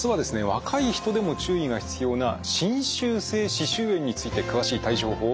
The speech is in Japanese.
若い人でも注意が必要な侵襲性歯周炎について詳しい対処法をご紹介します。